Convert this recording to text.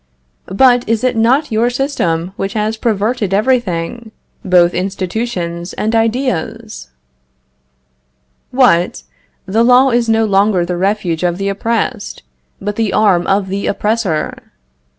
But is it not your system which has perverted everything, both institutions and ideas? What! the law is no longer the refuge of the oppressed, but the arm of the oppressor!